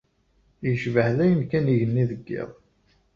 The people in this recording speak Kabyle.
Yecbeḥ dayen kan yigenni deg yiḍ.